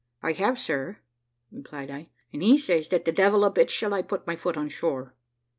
`I have, sir,' replied I, `and he says that the devil a bit shall I put my foot on shore.'